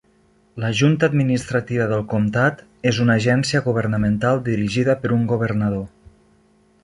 La Junta Administrativa del Comtat és una agència governamental dirigida per un governador.